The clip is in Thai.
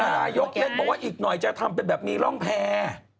นายกเล็กบอกว่าอีกหน่อยจะทำเป็นแบบมีร่องแพร่